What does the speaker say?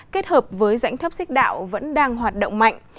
kết hợp với rãnh thấp xích đạo vẫn đang hoạt động mạnh